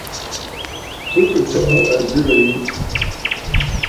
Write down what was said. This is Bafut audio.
Bɨ kɨ̀ tsɔʼɔ àzɨrə̀ yi.